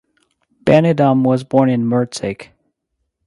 Benedum was born in Merzig.